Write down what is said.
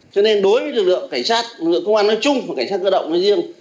cho nên đối với lực lượng công an nói chung và lực lượng công an cơ động nói riêng